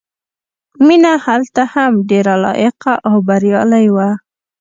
مینه هلته هم ډېره لایقه او بریالۍ وه